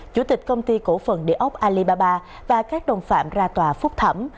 chủ tịch công ty cổ phần địa ốc alibaba và các đồng phạm ra tòa phúc thẩm